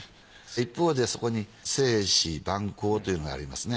一方でそこに「静思萬考」というのがありますね。